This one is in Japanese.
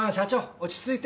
落ち着いて。